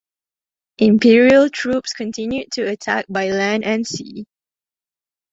Imperial troops continued to attack by land and sea.